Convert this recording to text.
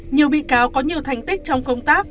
nhiều bị cáo có nhiều thành tích trong công tác